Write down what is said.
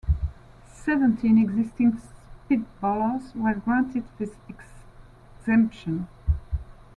Seventeen existing spitballers were granted this exemption.